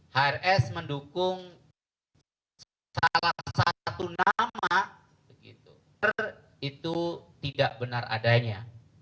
hrs mendukung salah satu nama itu tidak benar adanya